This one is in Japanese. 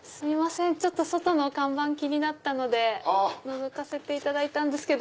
外の看板気になったのでのぞかせていただいたんです。